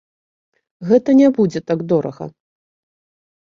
Гэта не будзе так дорага.